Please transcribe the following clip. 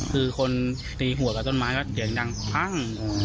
คือคนตีหัวกับต้นไม้ก็เสียงดังพัง